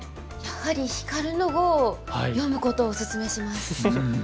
やはり「ヒカルの碁」を読むことをおすすめします。